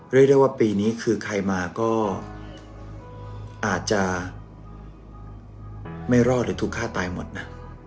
เรียกได้ว่าปีนี้คือใครมาก็อาจจะไม่รอดหรือถูกฆ่าตายหมดนะ